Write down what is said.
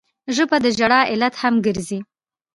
ژبه د ژړا علت هم ګرځي